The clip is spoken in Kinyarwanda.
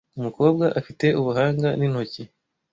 Umukobwa afite ubuhanga nintoki.